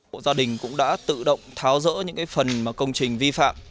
hộ gia đình cũng đã tự động tháo dỡ những phần công trình vi phạm